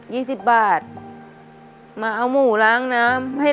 อยู่ข้างนอก